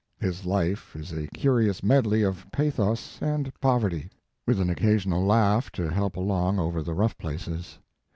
His life is a curious medley of pathos and poverty, with an occasional laugh to help along over the rough places.